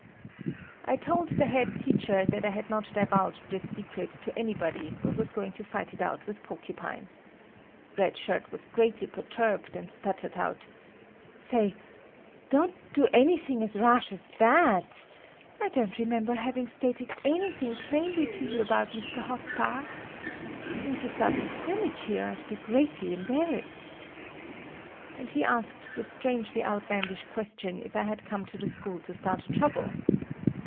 I told the head teacher that I had not divulged the secret to anybody but was going to fight it out with Porcupine. Red Shirt was greatly perturbed, and stuttered out; "Say, don't do anything so rash as that. I don't remember having stated anything plainly to you about Mr. Hotta……. if you start a scrimmage here, I'll be greatly embarrassed." And he asked the strangely outlandish question if I had come to the school to start trouble?